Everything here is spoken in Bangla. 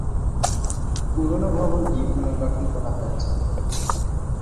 পুরানো ভবনটি পুনর্গঠন করা হয়েছে।